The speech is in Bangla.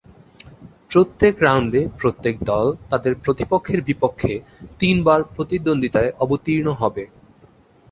প্রত্যেক রাউন্ডে প্রত্যেক দল তাদের প্রতিপক্ষের বিপক্ষে তিনবার প্রতিদ্বন্দ্বিতায় অবতীর্ণ হবে।